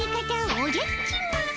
おじゃっちマン！